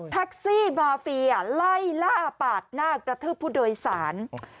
แท็กซี่บาเฟียไล่ล่าปาดหน้ากระทืบผู้โดยสาร